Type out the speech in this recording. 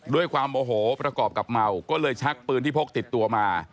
ด้วยความโอโหประกอบกับเมาก็เลยชักปืนที่พกติดตัวมา